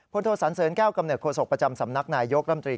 โทสันเสริญแก้วกำเนิโศกประจำสำนักนายยกรัฐมนตรี